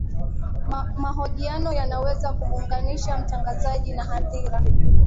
mahojiano yanaweza kumuunganisha mtangazaji na hadhira